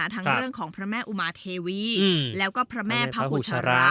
ทั้งเรื่องของพระแม่อุมาเทวีแล้วก็พระแม่พระอุชระ